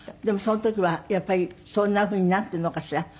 でもその時はやっぱりそんなふうになんていうのかしら？